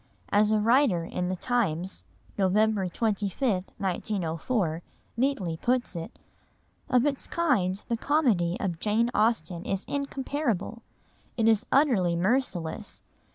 As a writer in The Times (November 25, 1904) neatly puts it, "Of its kind the comedy of Jane Austen is incomparable. It is utterly merciless.